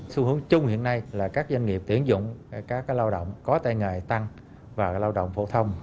xu hướng chung hiện nay là các doanh nghiệp tuyển dụng các lao động có tay nghề tăng và lao động phổ thông